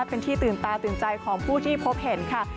เป็นที่ตื่นตาตื่นใจของผู้ที่พบเห็นค่ะ